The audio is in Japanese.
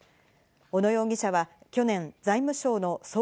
小野容疑者は去年、財務省の総括